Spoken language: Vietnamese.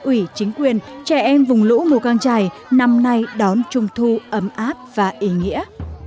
ủy chính quyền trẻ em vùng lũ mùa căng trải năm nay đón trung thu ấm áp và ý nghĩa